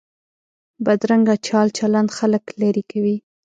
بدرنګه چال چلند خلک لرې کوي